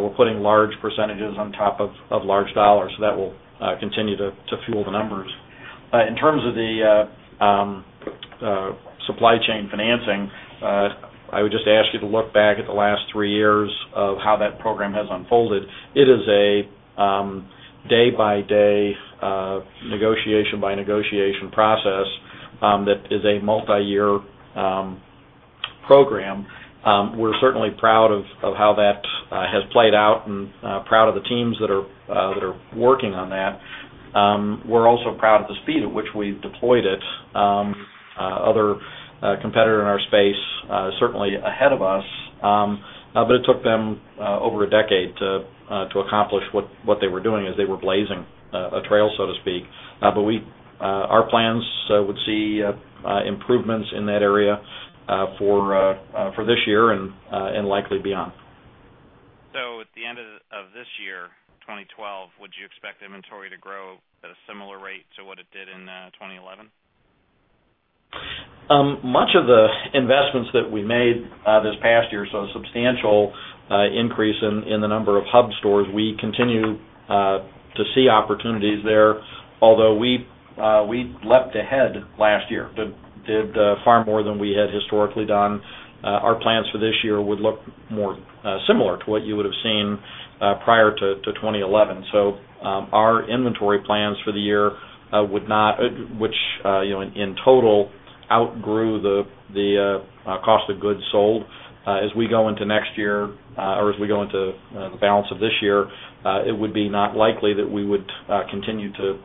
we're putting large percentage on top of large dollars. That will continue to fuel the numbers. In terms of the supply chain financing, I would just ask you to look back at the last three years of how that program has unfolded. It is a day-by-day negotiation-by-negotiation process that is a multi-year program. We're certainly proud of how that has played out and proud of the teams that are working on that. We're also proud of the speed at which we deployed it. Other competitors in our space are certainly ahead of us, but it took them over a decade to accomplish what they were doing as they were blazing a trail, so to speak. Our plans would see improvements in that area for this year and likely beyond. At the end of this year, 2012, would you expect inventory to grow at a similar rate to what it did in 2011? Much of the investments that we made this past year saw a substantial increase in the number of hub stores. We continue to see opportunities there, although we leapt ahead last year, did far more than we had historically done. Our plans for this year would look more similar to what you would have seen prior to 2011. Our inventory plans for the year would not, which in total outgrew the cost of goods sold. As we go into next year, or as we go into the balance of this year, it would be not likely that we would continue to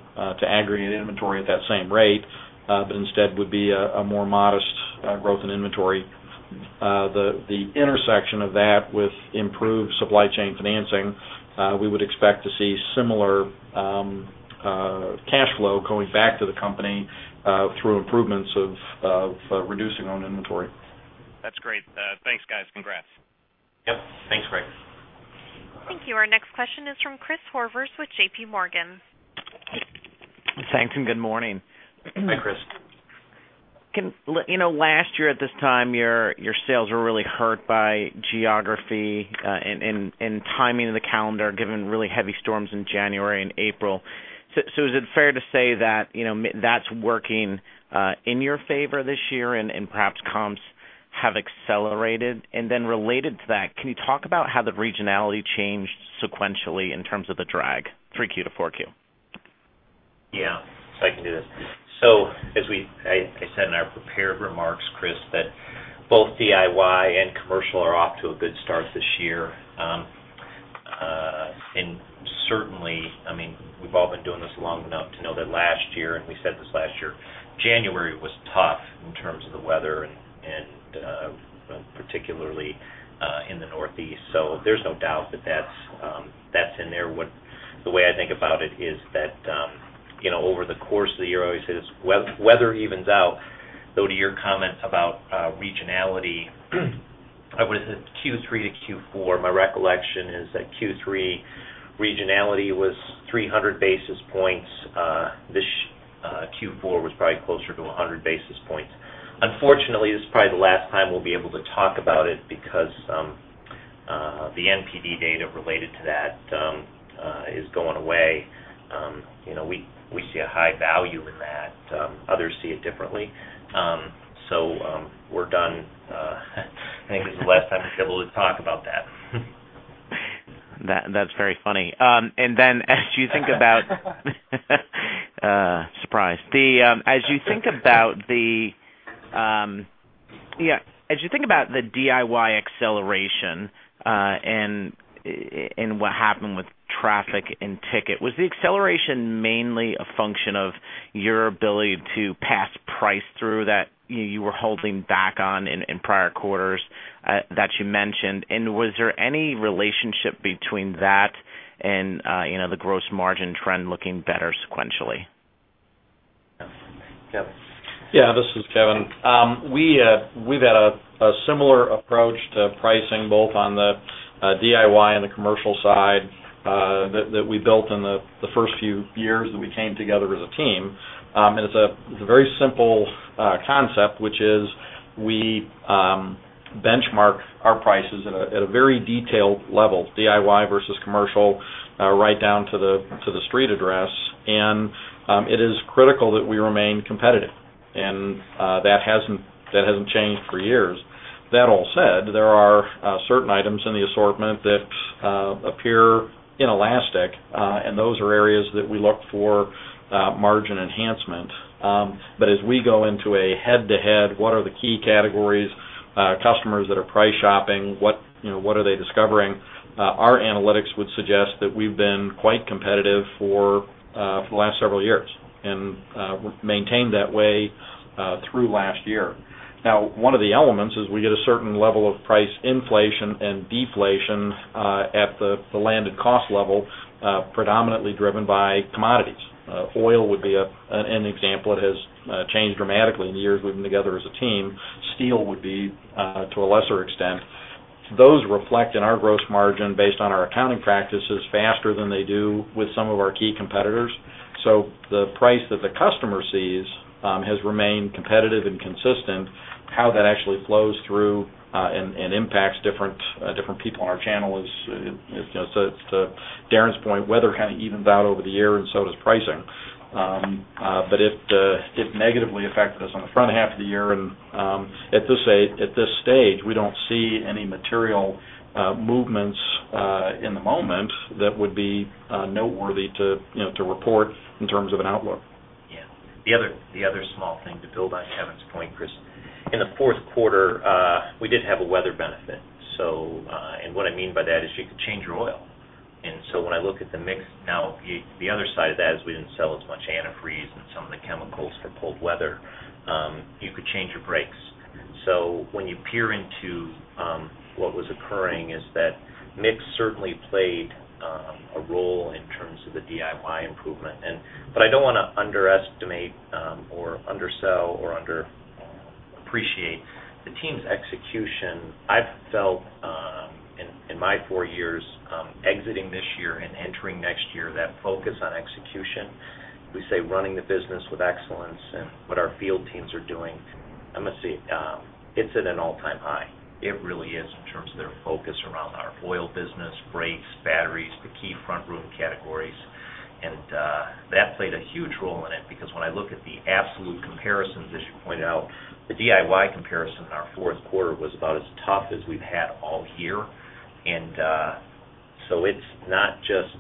aggregate inventory at that same rate, but instead would be a more modest growth in inventory. The intersection of that with improved supply chain financing, we would expect to see similar cash flow going back to the company through improvements of reducing on inventory. That's great. Thanks, guys. Congrats. Yep. Thanks, Greg. Thank you. Our next question is from Chris Horvers with JPMorgan. Thanks, and good morning. Hi, Chris. You know, last year at this time, your sales were really hurt by geography and timing of the calendar, given really heavy storms in January and April. Is it fair to say that that's working in your favor this year and perhaps comps have accelerated? Related to that, can you talk about how the regionality changed sequentially in terms of the drag 3Q to 4Q? Yeah, I can do that. As I said in our prepared remarks, Chris, both DIY and commercial are off to a good start this year. Certainly, we've all been doing this long enough to know that last year, and we said this last year, January was tough in terms of the weather, particularly in the Northeast. There's no doubt that that's in there. The way I think about it is that, over the course of the year, I always say this weather evens out. To your comment about regionality, I would say Q3 to Q4, my recollection is that Q3 regionality was 300 basis points. This Q4 was probably closer to 100 basis points. Unfortunately, this is probably the last time we'll be able to talk about it because the NPD data related to that is going away. We see a high value in that. Others see it differently. We're done. I think this is the last time we'll be able to talk about that. That's very funny. As you think about the DIY acceleration and what happened with traffic and ticket, was the acceleration mainly a function of your ability to pass price through that you were holding back on in prior quarters that you mentioned? Was there any relationship between that and the gross margin trend looking better sequentially? Yeah, this is Kevin. We've had a similar approach to pricing both on the DIY and the commercial side that we built in the first few years that we came together as a team. It's a very simple concept, which is we benchmark our prices at a very detailed level, DIY versus commercial, right down to the street address. It is critical that we remain competitive. That hasn't changed for years. That all said, there are certain items in the assortment that appear inelastic, and those are areas that we look for margin enhancement. As we go into a head-to-head, what are the key categories, customers that are price shopping, what are they discovering? Our analytics would suggest that we've been quite competitive for the last several years and maintained that way through last year. Now, one of the elements is we get a certain level of price inflation and deflation at the landed cost level, predominantly driven by commodities. Oil would be an example. It has changed dramatically in the years we've been together as a team. Steel would be to a lesser extent. Those reflect in our gross margin based on our accounting practices faster than they do with some of our key competitors. The price that the customer sees has remained competitive and consistent. How that actually flows through and impacts different people on our channel is, you know, to Darren's point, weather kind of evens out over the year, and so does pricing. It negatively affected us on the front half of the year. At this stage, we don't see any material movements in the moment that would be noteworthy to report in terms of an outlook. Yeah. The other small thing to build on Kevin's point, Chris, in the fourth quarter, we did have a weather benefit. What I mean by that is you could change your oil. When I look at the mix now, the other side of that is we didn't sell as much antifreeze and some of the chemicals that pulled weather. You could change your brakes. When you peer into what was occurring, that mix certainly played a role in terms of the DIY improvement. I don't want to underestimate or undersell or underappreciate the team's execution. I've felt in my four years exiting this year and entering next year, that focus on execution, we say running the business with excellence and what our field teams are doing. I must say it's at an all-time high. It really is in terms of their focus around our oil business, brakes, batteries, the key front row categories. That played a huge role in it because when I look at the absolute comparisons, as you pointed out, the DIY comparison in our fourth quarter was about as tough as we've had all year. It's not just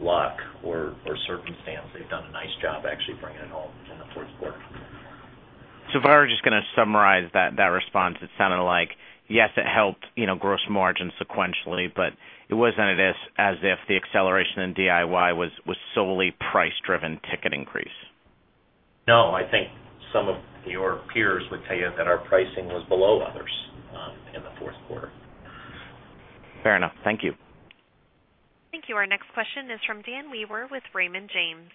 luck or circumstance. They've done a nice job actually bringing it home in the fourth quarter. If I were just going to summarize that response, it sounded like, yes, it helped gross margins sequentially, but it wasn't as if the acceleration in DIY was solely price-driven ticket increase. No, I think some of your peers would tell you that our pricing was below others in the fourth quarter. Fair enough. Thank you. Thank you. Our next question is from Dan Wewer with Raymond James.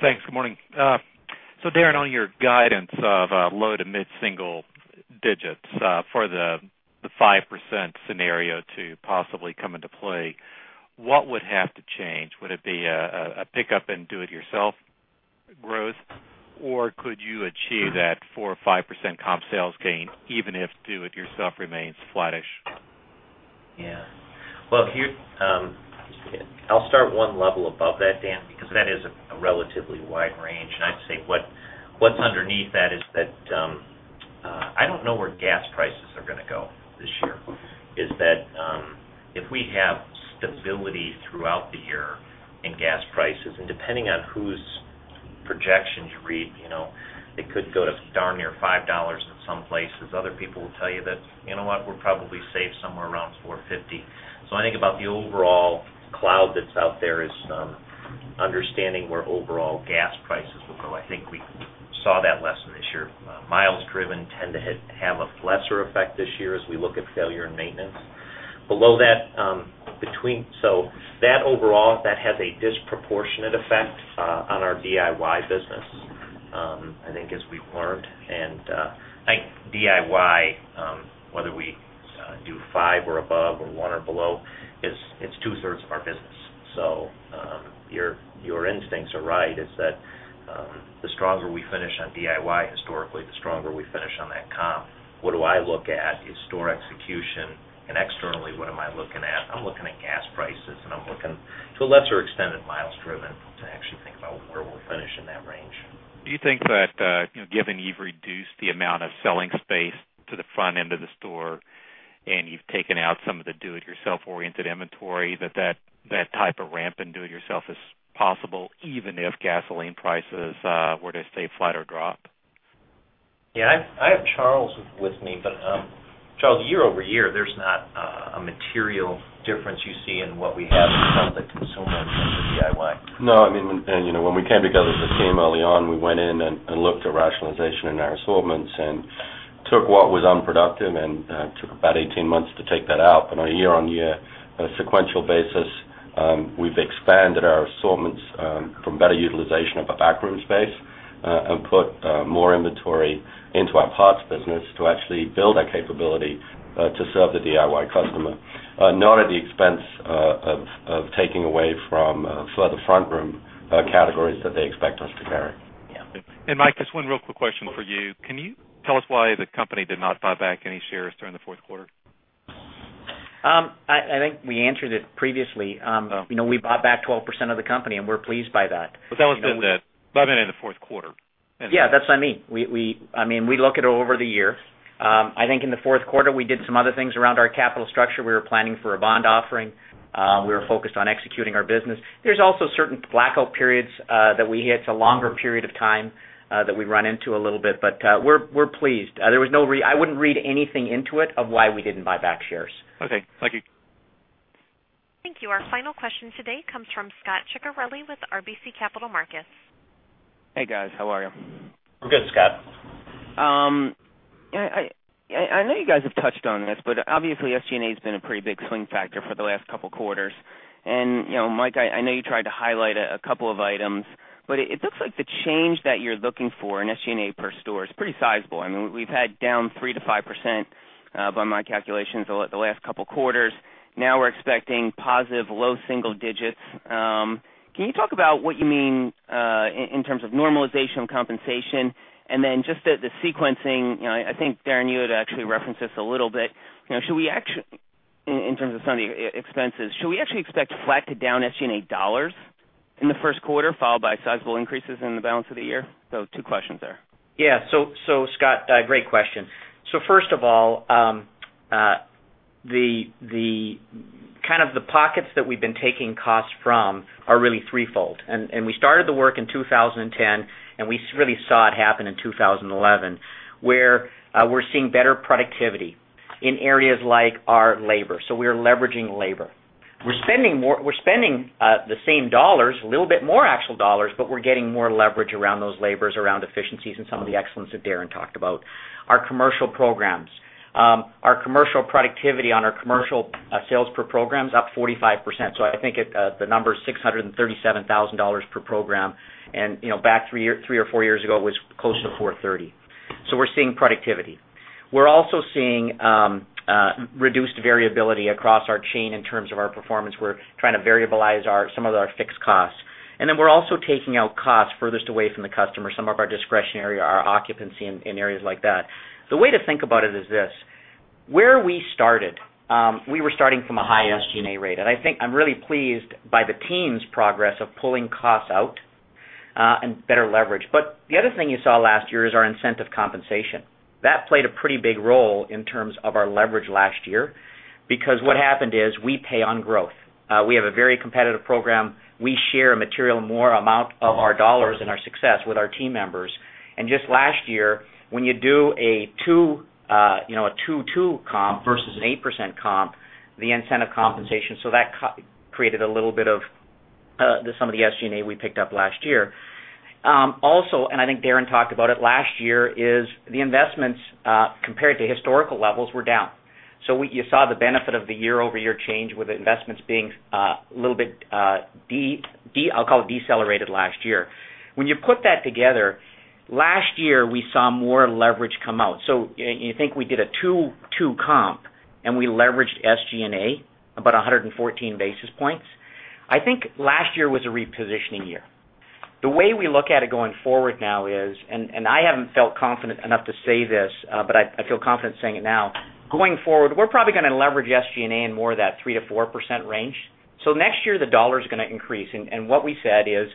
Thanks. Good morning. Darren, on your guidance of low to mid-single digits for the 5% scenario to possibly come into play, what would have to change? Would it be a pick up in do-it-yourself growth, or could you achieve that 4% or 5% comp sales gain even if do-it-yourself remains flattish? Here's I'll start one level above that, Dan, because that is a relatively wide range. I'd say what's underneath that is that I don't know where gas prices are going to go this year. If we have stability throughout the year in gas prices, and depending on whose projections you read, it could go to start near $5 in some places. Other people will tell you that we're probably safe somewhere around $4.50. I think about the overall cloud that's out there as understanding where overall gas prices will go. I think we saw that lesson this year. Miles driven tend to have a lesser effect this year as we look at failure and maintenance. Below that, overall, that has a disproportionate effect on our DIY business, I think, as we've learned. I think DIY, whether we do five or above or one or below, it's two-thirds of our business. Your instincts are right, the stronger we finish on DIY historically, the stronger we finish on that comp. What I look at is store execution, and externally, what am I looking at? I'm looking at gas prices, and I'm looking to a lesser extent at miles driven to actually think about where we're finishing that range. Do you think that given you've reduced the amount of selling space to the front end of the store, and you've taken out some of the do-it-yourself-oriented inventory, that that type of ramp in do-it-yourself is possible even if gasoline prices were to stay flat or drop? Yeah, I have Charles with me, but Charles, year-over-year, there's not a material difference you see in what we have in both the consumer and the DIY. No, I mean, when we came together as a team early on, we went in and looked at rationalization in our assortments and took what was unproductive and took about 18 months to take that out. On a year-on-year sequential basis, we've expanded our assortments from better utilization of our backroom space and put more inventory into our parts business to actually build our capability to serve the DIY customer, not at the expense of taking away from further front room categories that they expect us to vary. Mike, just one real quick question for you. Can you tell us why the company did not buy back any shares during the fourth quarter? I think we answered it previously. You know, we bought back 12% of the company, and we're pleased by that. That was back in the fourth quarter. Yeah, that's what I mean. I mean, we look at it over the year. I think in the fourth quarter, we did some other things around our capital structure. We were planning for a bond offering. We were focused on executing our business. There are also certain blackout periods that we hit. It's a longer period of time that we run into a little bit, but we're pleased. I wouldn't read anything into it of why we didn't buy back shares. Okay. Thank you. Thank you. Our final question today comes from Scot Ciccarelli with RBC Capital Markets. Hey, guys. How are you? I'm good, Scot. I know you guys have touched on this, but obviously, SG&A has been a pretty big swing factor for the last couple of quarters. You know, Mike, I know you tried to highlight a couple of items, but it looks like the change that you're looking for in SG&A per store is pretty sizable. I mean, we've had down 3% to 5% by my calculations over the last couple of quarters. Now we're expecting positive low single digits. Can you talk about what you mean in terms of normalization of compensation? Just the sequencing, I think Darren, you had actually referenced this a little bit. Should we actually, in terms of some of the expenses, expect flat to down SG&A dollars in the first quarter, followed by sizable increases in the balance of the year? Two questions there. Yeah. So, Scot, great question. First of all, kind of the pockets that we've been taking costs from are really threefold. We started the work in 2010, and we really saw it happen in 2011, where we're seeing better productivity in areas like our labor. We are leveraging labor. We're spending the same dollars, a little bit more actual dollars, but we're getting more leverage around those labors, around efficiencies, and some of the excellence that Darren talked about. Our commercial programs, our commercial productivity on our commercial sales per program is up 45%. I think the number is $637,000 per program. Back three or four years ago, it was close to $430,000. We're seeing productivity. We're also seeing reduced variability across our chain in terms of our performance. We're trying to variabilize some of our fixed costs. We're also taking out costs furthest away from the customer, some of our discretionary, our occupancy in areas like that. The way to think about it is this: where we started, we were starting from a high SG&A rate. I think I'm really pleased by the team's progress of pulling costs out and better leverage. The other thing you saw last year is our incentive compensation. That played a pretty big role in terms of our leverage last year, because what happened is we pay on growth. We have a very competitive program. We share a material more amount of our dollars and our success with our team members. Just last year, when you do a 2% comp versus an 8% comp, the incentive compensation, so that created a little bit of some of the SG&A we picked up last year. Also, and I think Darren talked about it last year, the investments compared to historical levels were down. You saw the benefit of the year-over-year change with investments being a little bit, I'll call it, decelerated last year. When you put that together, last year we saw more leverage come out. You think we did a 2-2 comp and we leveraged SG&A about 114 basis points. I think last year was a repositioning year. The way we look at it going forward now is, and I haven't felt confident enough to say this, but I feel confident saying it now, going forward, we're probably going to leverage SG&A in more of that 3%-4% range. Next year, the dollar is going to increase. What we said is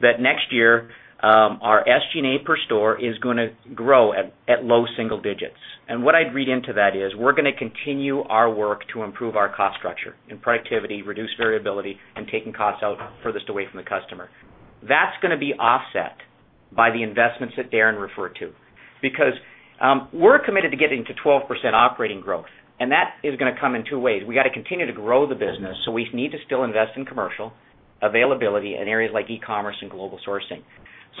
that next year, our SG&A per store is going to grow at low single digits. What I'd read into that is we're going to continue our work to improve our cost structure and productivity, reduce variability, and take costs out furthest away from the customer. That's going to be offset by the investments that Darren referred to, because we're committed to getting to 12% operating growth. That is going to come in two ways. We have to continue to grow the business. We need to still invest in commercial availability in areas like e-commerce and global sourcing.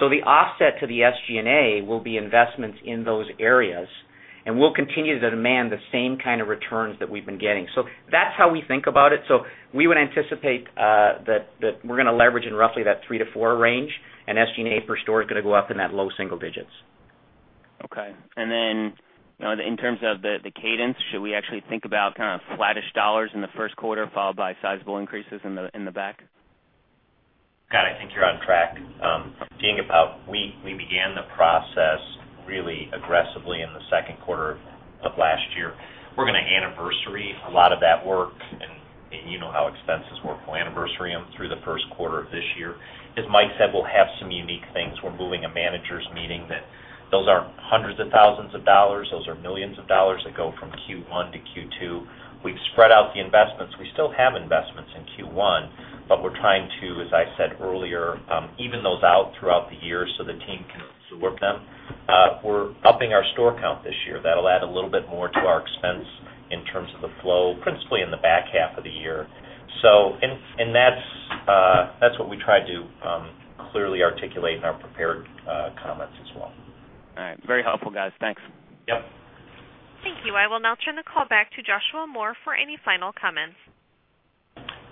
The offset to the SG&A will be investments in those areas, and we'll continue to demand the same kind of returns that we've been getting. That's how we think about it. We would anticipate that we're going to leverage in roughly that 3%-4% range, and SG&A per store is going to go up in that low single digits. Okay. In terms of the cadence, should we actually think about kind of flattish dollars in the first quarter, followed by sizable increases in the back? Got it. I think you're on track. If you think about it, we began the process really aggressively in the second quarter of last year. We're going to anniversary a lot of that work, and you know how expenses work. We'll anniversary them through the first quarter of this year. As Mike said, we'll have some unique things. We're moving a manager's meeting that those aren't hundreds of thousands of dollars. Those are millions of dollars that go from Q1 to Q2. We've spread out the investments. We still have investments in Q1, but we're trying to, as I said earlier, even those out throughout the year so the team can absorb them. We're upping our store comp this year. That'll add a little bit more to our expense in terms of the flow, principally in the back half of the year. That's what we tried to clearly articulate in our prepared comments as well. All right. Very helpful, guys. Thanks. Yep. Thank you. I will now turn the call back to Joshua Moore for any final comments.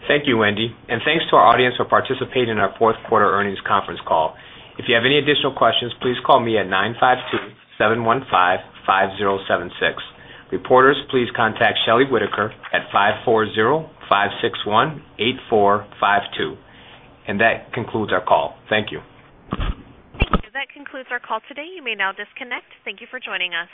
Thank you, Wendy. Thank you to our audience for participating in our Fourth Quarter Earnings Conference Call. If you have any additional questions, please call me at 952-715-5076. Reporters, please contact Shelley Whitaker at 540-561-8452. That concludes our call. Thank you. That concludes our call today. You may now disconnect. Thank you for joining us.